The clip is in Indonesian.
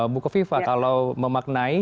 bu kofifa kalau memaknai